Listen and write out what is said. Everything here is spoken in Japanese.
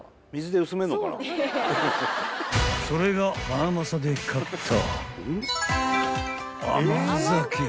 ［それがハナマサで買った］